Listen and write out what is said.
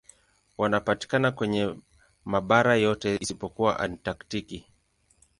Wanapatikana kwenye mabara yote isipokuwa Antaktiki.